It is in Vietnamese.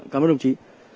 cảm ơn đồng chí